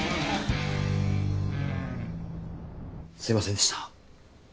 すいませんでした。